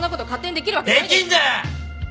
できんだよ！